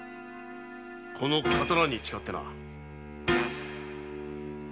この刀に誓ってな。